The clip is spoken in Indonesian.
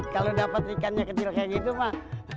kalau dapat ikannya kecil kayak gitu pak